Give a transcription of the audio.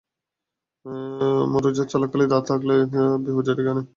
মরুঝড় চলাকালে দাঁড়িয়ে থাকলে বিপর্যয় ডেকে আনে।